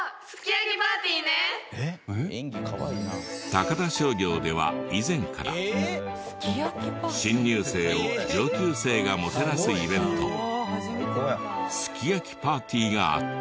高田商業では以前から新入生を上級生がもてなすイベントすき焼きパーティーがあった。